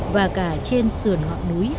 và cả trên sườn họ